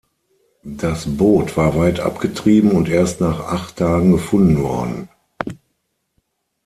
Das Boot war weit abgetrieben und erst nach acht Tagen gefunden worden.